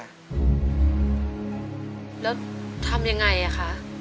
แล้วทำยังไงคะ